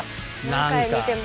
何回見ても。